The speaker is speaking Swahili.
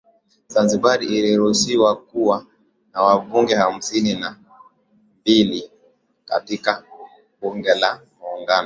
Zanzibar iliruhusiwa kuwa na Wabunge hamsini na mbili katika Bunge la Muungano